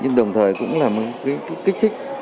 nhưng đồng thời cũng là một cái kích thích